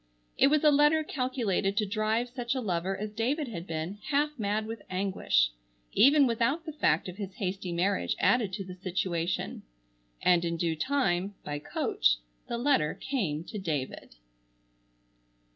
It was a letter calculated to drive such a lover as David had been, half mad with anguish, even without the fact of his hasty marriage added to the situation. And in due time, by coach, the letter came to David.